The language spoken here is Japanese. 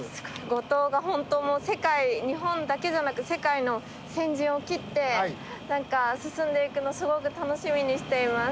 五島が本当もう日本だけじゃなく世界の先陣を切って何か進んでいくのすごく楽しみにしています。